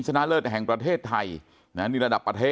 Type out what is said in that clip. คุณยายบอกว่ารู้สึกเหมือนใครมายืนอยู่ข้างหลัง